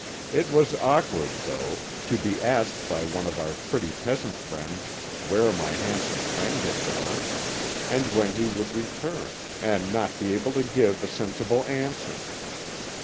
It was awkward, though, to be asked by one of our pretty peasant friends where my handsome friend had gone, and when he would return, and not be able to give a sensible answer.